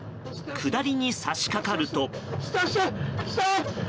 下りに差し掛かると。